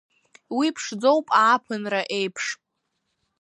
Уи ԥшӡоуп ааԥынра еиԥш.